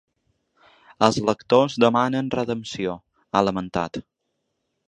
“Els lectors demanen redempció”, ha lamentat.